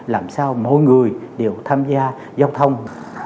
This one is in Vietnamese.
làm sao mọi người đều tham gia giao thông